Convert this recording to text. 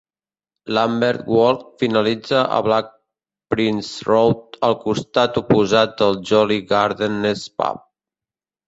Lambeth Walk finalitza a Black Prince Road, al costat oposat del Jolly Gardeners pub.